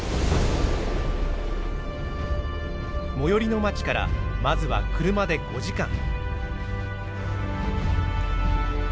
最寄りの町からまずは車で５時間。